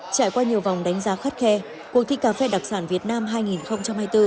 trải qua nhiều vòng đánh giá khắt khe cuộc thi cà phê đặc sản việt nam hai nghìn hai mươi bốn